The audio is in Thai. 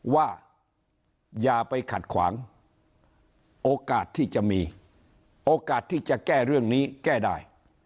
ว่าอย่าไปขัดขวางโอกาสที่จะมีโอกาสที่จะแก้เรื่องนี้แก้ได้